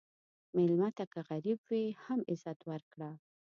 مېلمه ته که غریب وي، هم عزت ورکړه.